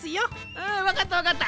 うんわかったわかった。